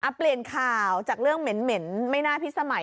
เปลี่ยนข่าวจากเรื่องเหม็นไม่น่าพิษสมัย